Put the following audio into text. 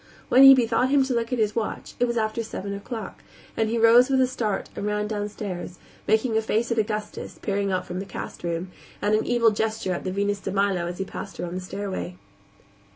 When he bethought him to look at his watch, it was after seven o'clock, and he rose with a start and ran downstairs, making a face at Augustus, peering out from the cast room, and an evil gesture at the Venus de Milo as he passed her on the stairway.